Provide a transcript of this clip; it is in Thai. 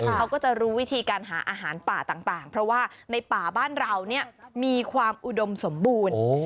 เขาก็จะรู้วิธีการหาอาหารป่าต่างเพราะว่าในป่าบ้านเรามีความอุดมสมบูรณ์